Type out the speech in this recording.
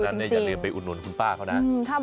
เพราะฉะนั้นอย่าลืมไปอุดหน่วนคุณป้าเขานะ